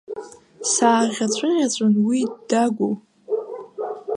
Сааӷьаҵәыӷьаҵәын, уи ддагәоу.